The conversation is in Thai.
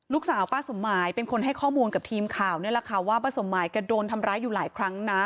ลูกสาวป้าสมหมายเป็นคนให้ข้อมูลกับทีมข่าวนี่แหละค่ะว่าป้าสมหมายแกโดนทำร้ายอยู่หลายครั้งนะ